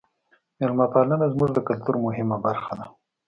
میلمه پالنه زموږ د کلتور مهمه برخه ده.